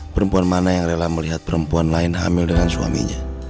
perempuan mana yang rela melihat perempuan lain hamil dengan suaminya